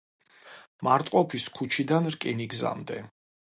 მარტყოფის ქუჩიდან რკინიგზამდე.